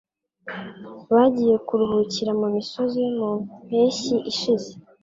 Bagiye kuruhukira mumisozi mu mpeshyi ishize.